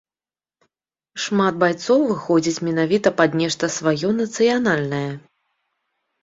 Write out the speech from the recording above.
Шмат байцоў выходзяць менавіта пад нешта сваё нацыянальнае.